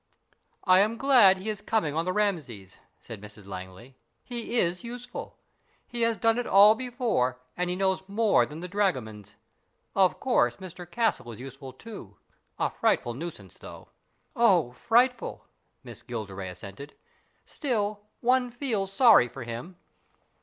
" I am glad he is coming on the Rameses" said Mrs Langley. " He is useful. He has done it all before, and he knows more than the dragomans. Of course, Mr Castle is useful too. A frightful nuisance, though." " Oh, frightful !" Miss Gilderay assented. " Still, one feels sorry for him."